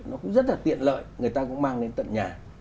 nó cũng rất là tiện lợi người ta cũng mang đến tận nhà